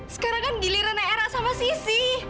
sekarang kan giliran erak sama sisi